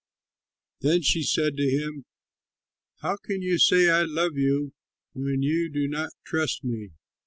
Then she said to him, "How can you say, 'I love you,' when you do not trust me?